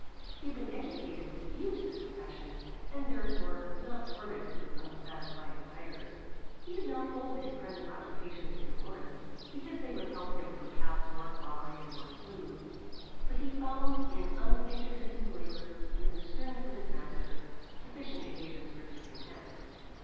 He had been educated with a view to this profession, and, therefore, was not tormented with unsatisfied desires. He did not hold his present occupations in abhorrence, because they withheld him from paths more flowery and more smooth, but he found in unintermitted labour, and in the sternness of his master, sufficient occasions for discontent.